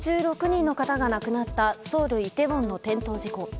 １５６人の方が亡くなったソウル・イテウォンの転倒事故。